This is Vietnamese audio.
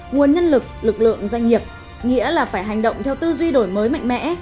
nguồn nhân lực lực lượng doanh nghiệp nghĩa là phải hành động theo tư duy đổi mới mạnh mẽ